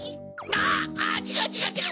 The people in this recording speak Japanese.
あっあっちがうちがうちがう！